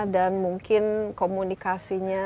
dan mungkin komunikasinya